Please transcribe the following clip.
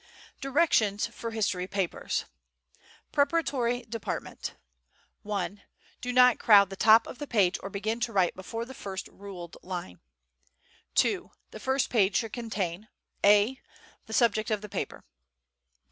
Directions for History Papers. Preparatory Department. I. Do not crowd the top of the page or begin to write before the first ruled line. II. The first page should contain: A. The subject of the paper.